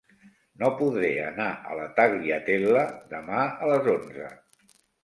No podré anar a la Tagliatella demà a les onze.